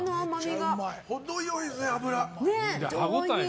程良いですね、脂。